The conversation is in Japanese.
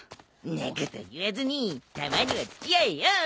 んなこと言わずにたまには付き合えよ。